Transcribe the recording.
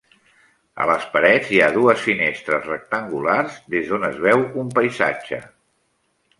A les parets, hi ha dues finestres rectangulars des d'on es veu un paisatge.